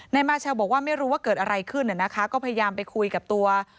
นายมาเชลบอกว่าไม่รู้ว่าเกิดอะไรขึ้นก็พยายามไปคุยกับตัว